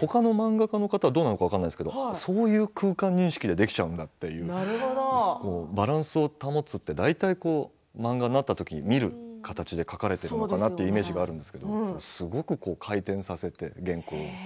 ほかの漫画家の方どうなるか分かりませんがそういう空間認識でできちゃうんだってバランスを保つって大体漫画になったときに見る形で描けて描いてるのかなというイメージがありますがすごく回転されて原稿をね。